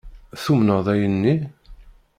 Tumned ayen-nni?